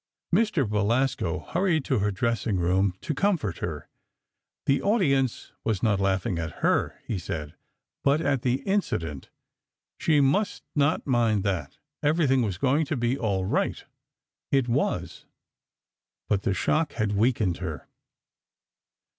Mr. Belasco hurried to her dressing room to comfort her. The audience was not laughing at her, he said, but at the incident. She must not mind that; everything was going to be all right. It was, but the shock had weakened her.